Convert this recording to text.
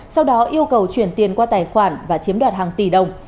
sau đó yêu cầu chuyển tiền qua tài khoản và chiếm đoạt hàng tỷ đồng